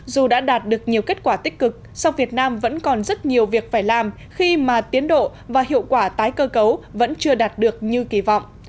dù đã đạt được nhiều kết quả tích cực song việt nam vẫn còn rất nhiều việc phải làm khi mà tiến độ và hiệu quả tái cơ cấu vẫn chưa đạt được như kỳ vọng